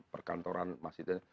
perkantoran masih ada